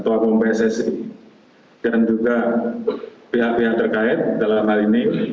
ketua umum pssi dan juga pihak pihak terkait dalam hal ini